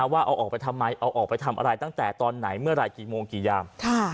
ว่าเอาออกไปทำไมเอาออกไปทำอะไรตั้งแต่ตอนไหนเมื่อไหร่กี่โมงกี่ยาม